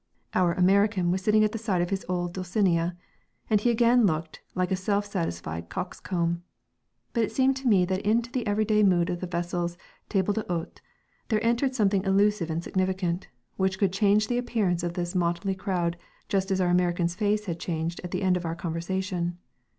"Our" American was sitting at the side of his odd Dulcinea, and he again looked like a self satisfied cox comb. But, it seemed to me that into the everyday mood of the vessel's table d'hôte, there entered something elusive and significant, which could change the appearance of this motley crowd just as our American's face had changed at the end of our conversation.